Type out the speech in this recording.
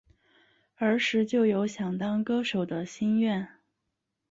儿时就有想当歌手的心愿。